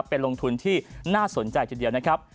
เป็นลงทุนที่น่าสนใจทีเดียวนะครับ